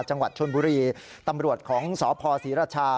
จังหวัดชนบุรีตำรวจของสพศรีราชา